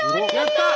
やった！